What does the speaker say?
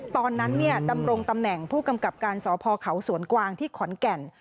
ตอนนั้นดำรงตำแหน่งผู้กำกับการสพเขาสวนกวางที่ขอนแก่น